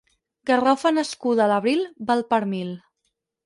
Garrofa nascuda a l'abril val per mil.